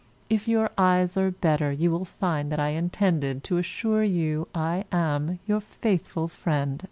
If your eyes are better, you will find that I intended to assure you I am Yours.